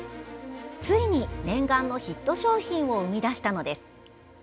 ついに念願のヒット商品を生み出したのです。